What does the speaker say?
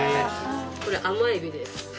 これ甘エビです